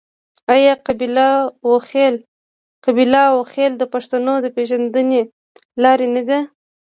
آیا قبیله او خیل د پښتنو د پیژندنې لار نه ده؟